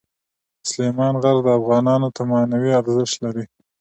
سلیمان غر افغانانو ته معنوي ارزښت لري.